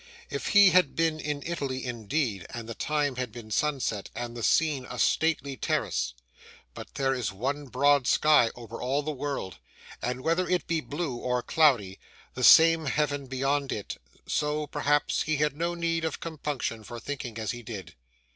If he had been in Italy indeed, and the time had been sunset, and the scene a stately terrace! But, there is one broad sky over all the world, and whether it be blue or cloudy, the same heaven beyond it; so, perhaps, he had no need of compunction for thinking as he did.